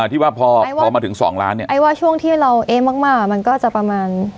ที่ว่าพอพอมาถึงสองล้านเนี่ยไอ้ว่าช่วงที่เราเอ๊ะมากมากมันก็จะประมาณ